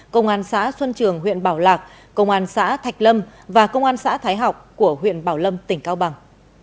công an xã xuân trường huyện bảo lạc công an xã thạch lâm và công an xã thái học của huyện bảo lâm tỉnh cao bằng